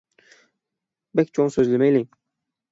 بەك چوڭ سۆزلىمەيلى ،